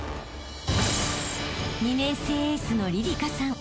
［２年生エースのりりかさん。